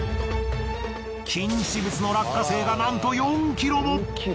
禁止物の落花生がなんと４ｋｇも！